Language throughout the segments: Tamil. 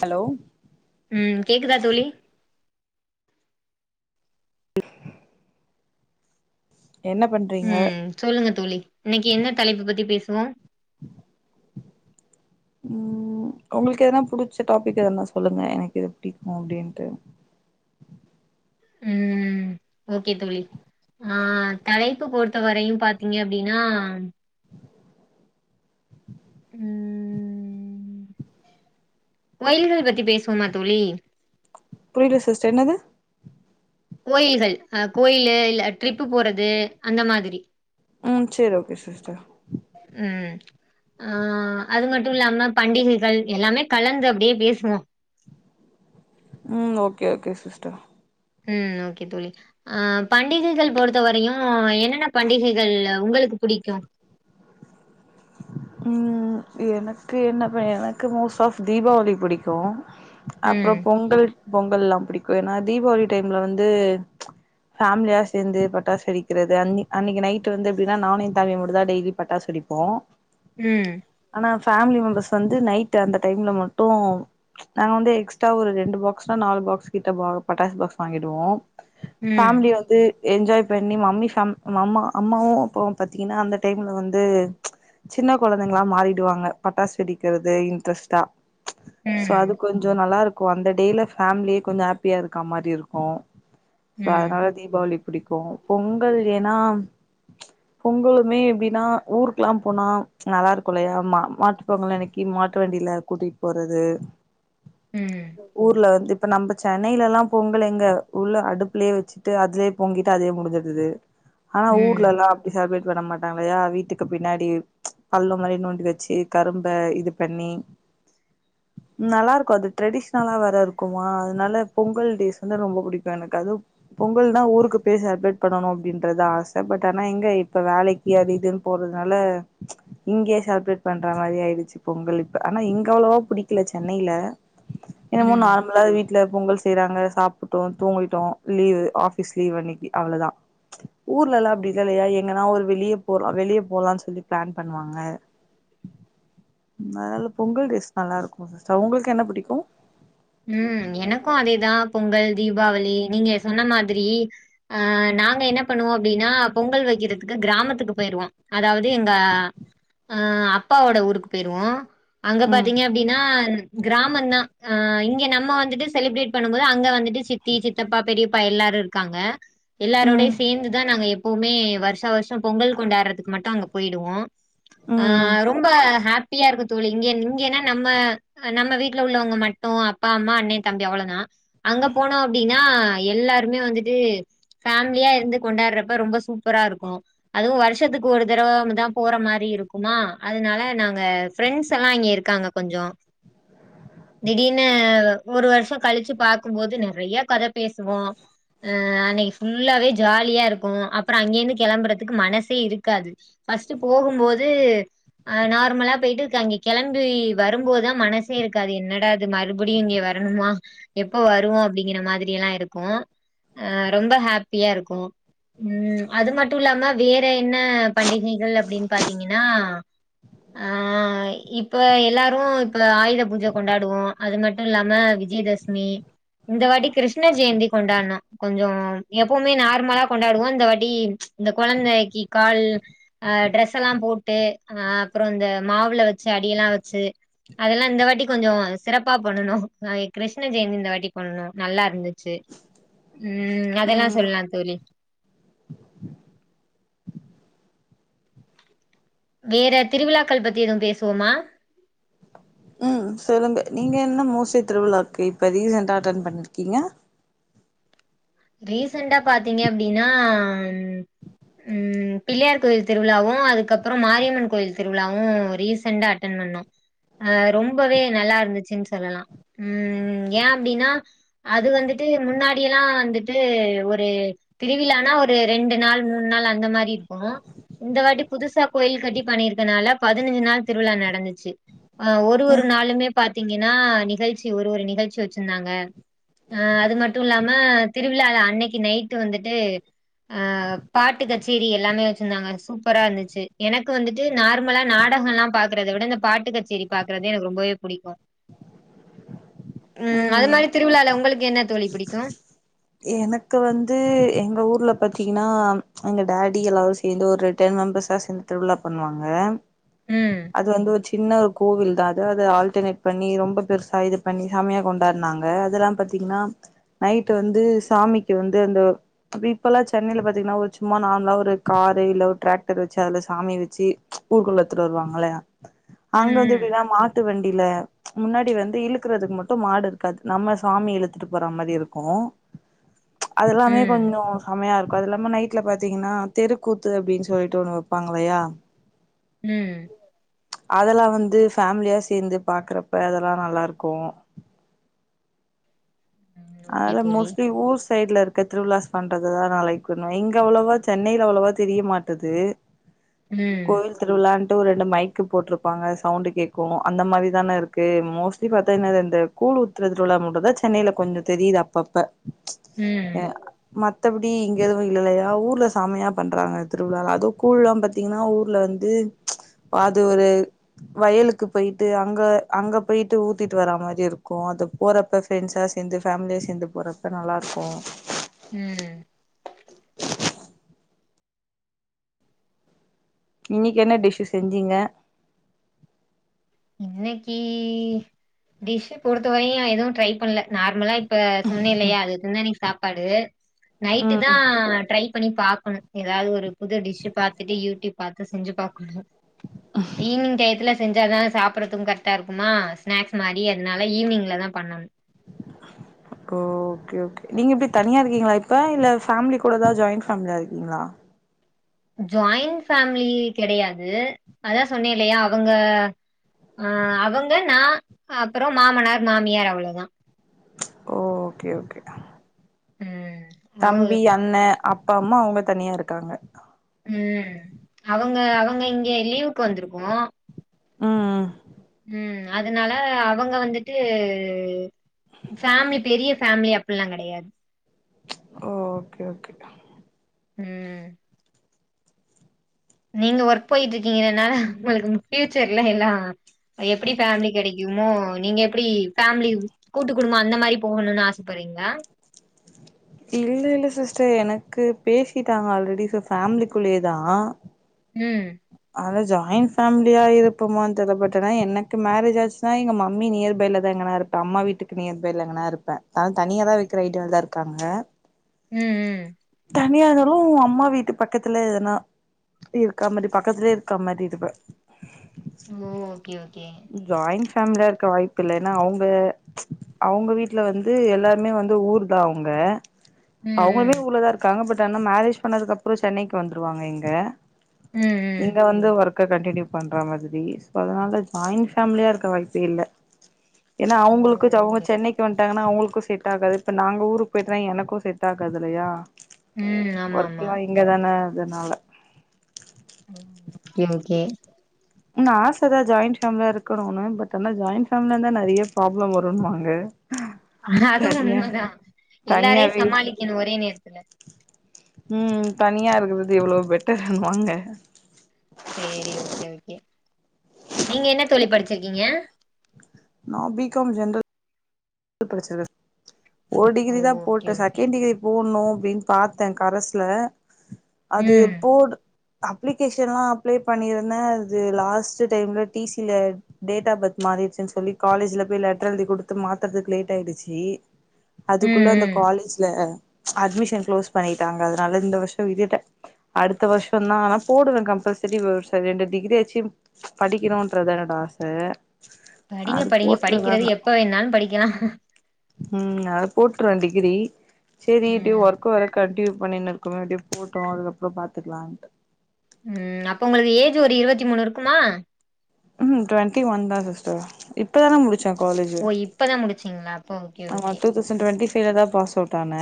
ஹலோ ம் கேக்குதா தோழி [unintelligible] என்ன பண்றீங்க ம் சொல்லுங்க தோழி இன்னைக்கு என்ன தலைப்பு பத்தி பேசுவோ உ உம் உங்களுக்கு எதுனா புடிச்ச டாபிக் எதனா சொல்லுங்க எனக்கு இது பிடிக்கு அப்படின்ட்டு ம் ஓகே தோழி ஆ தலைப்பு பொருத்த வரையு பாத்தீங்க அப்டின்னா கோயில்கள் பத்தி பேசுவோமா தோழி புரியல சிஸ்டர் என்னது கோயில்கள்ஹ கோயிலு இல்ல ட்ரிப்பு போறது அந்த மாதிரி ம் சேரி ஓகே சிஸ்டர் ம் ஆ அது மட்டு இல்லாம பண்டிகைகள் எல்லாமே கலந்து அப்டியே பேசுவோ ம் ஓகே ஓகே சிஸ்டர் ம் ஓகே தோழி ஆ பண்டிகைகள் பொறுத்த வரயு என்னென்ன பண்டிகைகள் ஒங்களுக்கு புடிக்கு ம் எனக்கு என்ன ப எனக்கு மோஸ் ஆஃப் தீபாவளி புடிக்கு அப்றோ ம் பொங்கல் பொங்கல்லா புடிக்கு ஏன்னா தீவாளி டைம்ல வந்து ஃபாம்லியா சேந்து பட்டாசு வெடிக்றது அன் அன்னிக் நைட்டு வந்து எப்டின்னா நானு எ தம்பியு மட்டுந்தா டெய்லி பட்டாசு வெடிப்போ ம் ஆனா ஃபேம்லி மெம்பர்ஸ் வந்து நைட் அந்த டைம்ல மட்டு நாங்க வந்து எக்ஸ்ட்ரா ஒரு ரெண்டு பாக்ஸ்னா நாலு பாக்ஸ் கிட்ட பட்டாஸ் பாக்ஸ் வாங்கிடுவோ ம் பேம்லி வந் து என்ஜாய் பண்ணி மம்மி ஃபேம் மம்மா அம்மாவு அப்பாவு பாத்தீங்ன்னா அந்த டைம்ல வந்து சின்ன கொழந்தைங்ளா மாறிடுவாங்க பட்டாசு வெடிக்கிறது இன்ட்ரெஸ்ட்டா சோ ம் அது கொஞ்சோ நல்லா இருக்கு அந்த டேல ஃபேமிலியே கொஞ்சோ ஆப்பியா இருக்க மாரி இருக்கு சோ ம் அதனால தீபாவளி பிடிக்கு பொங்கல் ஏன்னா பொங்கலுமே எப்டின்னா ஊருக்ல்லா போனா நல்லா இருக்கு இல்லயா மா மாட்டு பொங்கல் அன்னக்கி மாட்டு வண்டியில கூட்டிட் போறது ம் ஊர்ல வந்து இப்ப நம்ப சென்னையிலல்லா பொங்கல் எங்க உள்ள அடுப்புலயே வச்சுட்டு அதுலயே பொங்கிட்டு அதே முடிஞ்சடுது ஆனா ம் ஊர்லல்லா அப்டி செலிப்ரேட் பண்ண மாட்டாங்கல்லயா வீட்டுக்கு பின்னாடி பள்ளோ மாரி நோண்டி வச்சு கரும்ப இது பண்ணி நல்லாருக்கு அது ட்ரெடிஷ்னலா வேற இருக்குமா அதுனால பொங்கல் டேஸ்ஸு வந்து ரொம்ப புடிக்கு எனக்கு அதுவு பொங்கல்னா ஊருக்கு போய் செலப்ரேட் பண்ணணு அப்டின்றத்தா ஆச பட் ஆனா எங்க இப்ப வேலைக் கு அது இதுன் போறதுனால இங்கயே செலப்ரேட் பண்ற மாரி ஆயிடுச்சு பொங்கல் இப்ப ஆனா இங்க அவ்வளவா புடிக்கல சென்னைல என்னமோ ம் நார்மலா வீட் ல பொங்கல் செய்றாங்க சாப்புட்டோ தூங்கிட்டோ லீவு ஆஃபிஸ் லீவ் அன்னிக்கி அவ்ளோதா ஊர்லலா அப்டி இல்லலயா எங்கனா ஒரு வெளிய போலா வெளிய போலான் சொல்லி பிளான் பண்ணுவாங்க அதுனால பொங்கல் டேஸ் நல்லாருக்கு சிஸ்டர் ஒங்களுக்கு என்ன புடிக்கு ம் எனக்கு அதேதா பொங்கல் தீபாவளி நீங்க சொன்ன மாதிரி அ நாங்க என்ன பண்ணுவோ அப்டினா பொங்கல் வக்கிறதுக்கு கிராமத்துக்கு போயிறுவோ அதாவது எங்க ஆ அப்பாவோட ஊருக்கு போயிருவோ அங்க ம் பாத்தீங்க அப்டின்னா கிராமந் தா ஆ இங்க நம்ம வந்துட்டு செலிப்ரேட் பண்ணும் போது அங்க வந்துட் டு சித்தி சித்தப்பா பெரியப்பா எல்லாரு இருக்காங்க ம் எல்லாரோடயு சேந்துதா நாங்க எப்பவுமே வர்ஷா வர்ஷோ பொங்கல் கொண்டாடுறதுக்கு மட்டு அங்க போயிடுவோ ஆ ம் ரொம்ப ஹாப் பியா இருக்கு தோழி இங்கெ இங்கேனா நம்ம நம்ம வீட்ல உள்ளவங்க மட் டு அப்பா அம்மா அண்ணே தம்பி அவ்ளோதா அங்க போனோ அப்டினா எல்லாருமே வந்துட்டு ஃபேம்லியா இருந்து கொண்டாற்றப்ப ரொம்ப சூப்பரா இருக்கு அதுவு வருஷத்துக்கு ஒரு தடவ வந்து தா போற மாரி இருக்குமா அதுனால நாங்க ஃப்ரெண்ட்ஸ்ல்லா அங்கே இருக்காங்க கொஞ்சோ திடீர்னு ஒரு வருஷோ கழுச்சு பாக்கும்போது நெறைய கத பேசுவோ ஆ அன்னைக்கு ஃபுல்லாவே ஜாலியா இருக்கு அப்பறோ அங்கே இருந்து கெளம்பறதுக்கு மனசே இருக்காது ஃபஸ்ட்டு போகும்போது ஆ நார்மலா போயிட்டு கங்கே கெளம்பி வரும்போதுதா மனசே இருக்காது என்ன டா இது மறுபடியு இங்க வரணுமா எப்ப வருவோ அப்டிங்கிற மாதிரியல்லா இருக்கு ஆ ரொம்ப ஹாப்பியா இருக்கு ம் அது மட்டு இல்லாம வேற என்ன பண்டிகைகள் அப்டின்னு பாத்தீங்கன்னா ஆ இப்ப எல்லாரு இப்ப ஆயுத பூஜ கொண்டாடு டுவோ அது மட்டு இல்லாம விஜயதசமி இந்த வாட்டி கிருஷ்ண ஜெயந்தி கொண்டாட்னோ கொஞ்சோ எப்பவுமே நார்மலா கொண்டாடுவோ இந்த வாட்டி இந்த கொழந்தக்கி கால் அ ட்ரெஸல்லா போட்டு அ அப்பறோ இந்த மாவுல வச்சு அடியெல்லா வச்சு அதல்லா இந்த வாட்டி கொஞ்சோ சிறப்பா பண்ணுனோ நாங்க கிருஷ்ண ஜெயந்தி இந்த வாட்டி பண்ணுனோ நல்லா இருந்துச்சு ம் அதல்லா ம் சொல்லலா தோழி வேற திருவிழாக்கள் பத்தி எதுவு பேசுவோமா ம் சொல்லுங்க நீங்க என்ன மூர்சைட் திருவிழாவுக்கு இப்ப ரீசண்டா அட்டன் பண்ணிருக்கீங்க ரீசன்டா பாத்தீங்க அப்டினா ம் பிள்ளையார் கோயில் திருவிழாவு அதுக்கப்பறோ மாரியம்மன் கோயில் திருவிழாவு ரீசண்டா அட்டன் பண்ணோ அ ரொம்பவே நல்லா இருந்துச்சுன் சொல்லலா ம் ஏ அப்டினா அது வந்துட்டு முன்னாடியெல்லா வந்துட் டு ஒரு திருவிழானா ஒரு ரெண்டு நாள் மூணு நாள் அந்த மாரி இருக்கு இந்த வாட்டி புதுசா கோயில் கட்டி பண்ணியிருக்கனால பதினஞ்சு நாள் திருவிழா நடந்துச்சு ஆ ஒரு ஒரு ம் நாளுமே பாத்தீங்கன்னா நிகழ்ச்சி ஒரு ஒரு நிகழ்ச்சி வச்சிந்தாங்க அ அது மட்டு இல்லாம திருவிழால அன்னைக்கு நைட்டு வந்துட்டு ஆ பாட்டு கச்சேரி எல்லாமே வச்சிருந்தாங்க சூப்பரா இருந்துச்சு எனக்கு வந்துட்டு நார்மலா நாடகல்லா பாக்கறத விட இந்த பாட்டு கச்சேரி பாக்குறது எனக்கு ரொம்பவே புடிக்கு [inaudible] ம் அது மாரி திருவிழால உங்களுக்கு என்ன தோழி புடிக்கும் எனக்கு வந்து எங்க ஊர்ல பாத்தீங்கன்னா எங்க டாடி எல்லாரு சேந்து ஒரு டென் மெம்பர்ஸா சேந்து திருவிழா பண்ணுவாங்க ம் அது வந்து ஒரு சின்ன ஒரு கோவில் தா அது அது ஆல்டர்னேட் பண்ணி ரொம்ப பெருசா இது பண்ணி செமையா கொண்டாட்னாங்க அதெல்லா பாத்தீங்கன்னா நைட்டு வந்து சாமிக்கு வந்து அந்த அப்டி இப்பல்லா சென்னையில பாத்தீங்கன்னா ஒரு சும்மா நார்மலா ஒரு காரு இல்ல ஒரு டிராக்டர் வச்சு அதுல சாமி வச்சு ஊர் குள்ள எத்துட்டு வருவாங்கல்ல அங்க வந்து ம் எப்டின்னா மாட்டு வண்டில முன்னாடி வந்து இழுக்குறதுக்கு மட்டு மாடு இருக்காது நம்ம சாமி இழுத்துட்டு போற மாரி இருக்கூ ம் அதல்லாமே ம் கொஞ்சோ சமையா இருக்கு அது இல்லாம நைட் ல பாத்தீங்கன்னா தெருக்கூத்து அப்டின்னு சொல்லிட்டு ஒண்ணு வப்பாங்கல்லையா ம் அதல்லா வந்து ஃபேமிலியா சேந்து பாக்கறப்ப அதெல்லா நல்லாருக்கு ம். ஓகே அதல்லா தோழி மோஸ்ட்லி ஊர் சைட்ல இரு கத்ருவிலாஸ் பண்றதுதா நா லைக்குனு இங்க அவ்ளவா சென்னையில அவ்ளவா தெரிய மாட்டுது ம் கோய்ல் திருவிழான்ட்டு ஒரு ரெண்டு மைக்கு போட்ருப்பாங்க சவுண்டு கேக்கு அந்த மாரி தான இருக்கு மோஸ்ட்லி பாத்தா என்னது இந்த கூழ் உத்தறது திருவிழா மட்டுதா சென்னையில கொஞ்சோ தெரியுது அப்பப்ப ம் மத்தபடி இங்க எதுவு இல்லல்லையா ஊர்ல சமையா பண்றாங்க திருவிழாலா அதுவு கூழ்லல்லா பாத்தீங்கன்னா ஊர்ல வந்து அது ஒரு வயலுக்கு போயிட்டு அங்க அங்க போயிட்டு ஊத்திட்டு வர மாரி இருக்கு அது போறப்ப ஃப்ரெண்ட்ஸா சேந்து ஃபேமிலியா சேந்து போறப்ப நல்லாருக்கு ம் இன்னைக்கு என்ன டிஷ்ஷு செஞ்சிங்க இன்னைக்கு டிஷ்ஷு பொறுத்த வரையு நா எதுவு ட்ரை பண்ல நார்மலா இப்ப சொன்னே இல்லையா அது [unintelligible] இன்னைக்கு சாப்பாடு நைட்டு ம் தா ட்ரை பண்ணி பாக்கணு எதாவது ஒரு புது டிஷ்ஷு பாத்துட்டு யூடியூப் பாத்து செஞ்சு பாக்குணு ஈவினிங் டயத்துல செஞ்சாதா சாப்பறத்துக்கு கர்ட்டா இருக்குமா ஸ்நாக்ஸ் மாரி அதனால ஈவினிங்ல தா பண்ணணு ஓ ஓகே ஓகே நீங்க எப்டி தனியா இருக்கீங்களா இப்ப இல்ல ஃபேமிலி கூட தா ஜாயிண்ட் ஃபேமிலியா இருக்கீங்களா ஜாயிண்ட் ஃபேமிலி கெடையாது அதா சொன்னே இல்லையா அவங்க ஆ அவங்க நா அப்பறோ மாமனார் மாமியார் அவ்ளோதா ஓ ஓகே ஓகே ம் அவ தம்பி அண்ண அப்பா அம்மா அவுங்க தனியா இருக்காங்க ம் அவுங்க அவுங்க இங்க லீவுக்கு வந்திருக்கோ ம் ம் ம் அதனால அவங்க வந்துட்டு ஃபேமிலி பெரிய ஃபேமிலி அப்புல்லா கடையாது ஓகே ஓகே ம் நீங்க ஒர்க் போய்ட்ருக்கீங்கனால உங்களுக்கு ஃப்யூச்சர்ல எல்லா எப்டி ஃபேமிலி கெடைக்குமோ நீங்க எப்டி ஃபேமிலி கூட்டு குடும்போ அந்தமாரி போகணுனு ஆசப்பறீங்ளா இல்ல இல்ல சிஸ்டர் எனக்கு பேசிட்டாங்க ஆல்ரெடி சோ ஃபேமிலிக்குள்ளயேதா ம் ஆனா ஜாயின் ஃபேமிலியா இருப்போமான் தெர்ல பட் ஆனா எனக்கு மேரேஜ் ஆச்சுன்னா எங்க மம்மி நியர் பைல த எங்கனா இருப்ப அம்மா வீட்டுக்கு நியர் பைல எங்கனா இருப்ப அதா தனியாதா வெக்குற ஐடியாலதா இருகாங்க ம் ம் தனியாருந்தாலு உ அம்மா வீட்டு பக்கத்துல எதனா இருக்கமாரி பக்கத்துலயே இருக்கமாரி இருப்பே ஓ ஓகே ஓகே ஜாய்ன் ஃபேமிலியா இருக்க வாய்ப்பில்ல எனா அவுங்க அவுங்க வீட்ல வந்து எல்லாருமே வந்து ஊர்தா அவுங்க அவுங்களுமே ம் ஊர்லதா இருக்காங்க பட் ஆனா மேரேஜ் பண்ணதுக்கப்றோ சென்னைக்கு வந்துருவாங்க இங்க ம் ம் ம் இங்க வந்து ஒர்க்க கண்டின்யூ பண்ற மாதிரி சோ அதனால ஜாயின் ஃபேமிலியா இருக்க வாய்ப்பே இல்ல எனா ஓ அவுங்களுக்கு அவுங்க ஓகே சென்னைக்கு வந்ட் டாங்கனா அவுங்களுக்கு செட் ஆகாது இப்ப நாங்க ஊருக்கு போய்ட்டோனா எனக்கு செட் ஆகாது இல்லயா ம் ஆமா ஆமா ஒர்க்லா இங்கதான அதனால ஓகே ஓகே என்ன ஆசதா ஜாயின் ஃபேமிலியா இருக்கணுனு பட் ஆனா ஜாயின் ஃபேமிலில இருந்தா நறைய ப்ராப்ளம் வருணுவாங்க ஆ அது உண்மதா எல்லாரையு தனியாவே சமாளிக்கணு ஒரே நேரத்துல ம் தனியா இருக்கறது எவ்ளவோ பெட்டர்னுவாங்க சேரி ஓகே ஓகே நீங்க என்ன தோழி படிச்சிருக்கீங்க நா பி காம் ஜென்ரல் படிச்சது ஒரு டிகிரிதா ஓகே போட்டே ஓகே செகண்ட் டிகிரி போட்ணு அப்டின் பாத்த கரஸ்ல அது ம் போடு அப்ளிகேஷன்லா அப்ளை பண்ணிருந்தே அது லாஸ்ட்டு டைம்ல டி சி யில டேட் ஆப் பர்த் மாறிடுச்சுன் சொல்லி காலேஜ்ல பேய் லெட்டர் எழுதி குடுத்து மாத் தற்துக்கு லேட் ஆய்டுச்சு ம் அதுக்குள்ள அந்த ம் காலேஜ்ல அட்மிஷன் குளோஸ் பண்ணிட்டாங்க அதனால இந்த வர்ஷோ விட்டுட்ட அடுத்த வர்ஷோதா ஆனா போடுவே கம்பல்செரி ரெண்டு டிகிரியாச்சு படிக்கணுன்றத்தா என்னோட ஆச படிங்க அது படிங்க போட்ருவே படிக்கிறது ஆனா எப்ப வேணாலு படிக்கலா ம் அதா போட்ருவே டிகிரி சேரி இப்டியே ஒர்க் ம் ஒர்க்கு வேற கண்டியூ பண்ணினு இருக்கமே அப்டியே போட்டு அதுக்கப்புறோ பாத்துக்கலான்ட்டு ம் அப்ப உங்களுக்கு ஏஜ் ஒரு இருவத்தி மூணு இருக்குமா ம்ஹு டுவெண்டி ஒன்தா சிஸ்டர் இப்பதா நா முடிச் ச காலேஜ் ஓ இப்பதா முடிச்சிங்ளா அப்ப ஓகே ஓகே தௌசண் டுவெண்டி ஃபைலதா பாஸ் அவுட் ஆன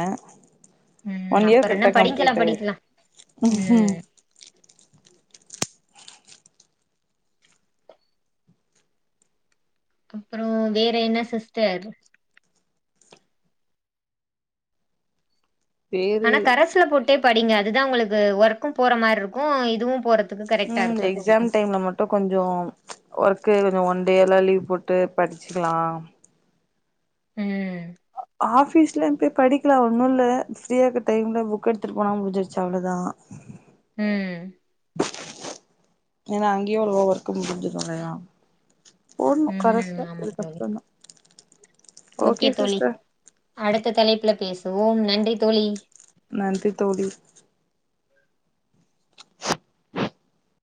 ம் ஒன் இயர் அப்பற என்ன கரெக்ட்டா படிக்கலா கம்ப்ளீட் ஆய்ருக் படிக்கலா ம் அப்பறோ வேற என்ன சிஸ்டர் பேரு ஆனா கரசுல போட்டே படிங்க அதுதா உங்களுக்கு ஒர்க்கு போற மாரி இருக்கு இதுவு போறத் ம் எக்ஸாம் டைம்ல மட் டோ கொஞ்சோ ஒர்க்கு கொஞ்சோ ஒன் டேல்ல லீவ் போட்டு படிச்சுக்கலா ம் ஆஃபீஸ்ல போய் படிக்கலா ஒண்ணுல்ல ஃப்ரீயார்க்க டைம்ல புக் எடுத்துட்டு போனா முடிஞ்சிருச்சு அவ்ளோதா ம் ஏன்னா அங்கேயோ ஒரு ஒ ஒர்க்கு முடிஞ்சுர்ல்லையா போன்ணு ம் கரஸ்ல ஆமா தோழி இதுக்கப்பறம் தா ஓகே சிஸ்டர் அடுத்த தலைப்புல பேசுவோ நன்றி தோழி நன்றி தோழி